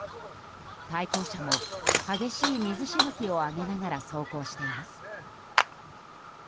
対向車も激しい水しぶきを上げながら走行しています。